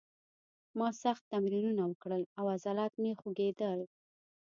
ما سخت تمرینونه وکړل او عضلات مې خوږېدل